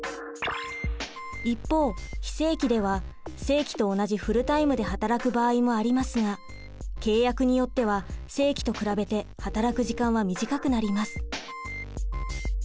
一方非正規では正規と同じフルタイムで働く場合もありますが契約によっては正規と比べて働く時間は短くなります。